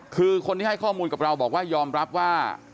คือคนที่ให้ข้อมูลกับเราบอกว่ายอมรับว่า